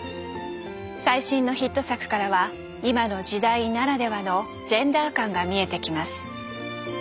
最新のヒット作からは今の時代ならではのジェンダー観が見えてきます。